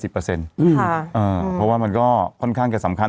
เพราะว่ามันก็ค่อนข้างจะสำคัญ